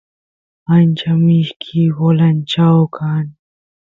ancha mishki bolanchau kan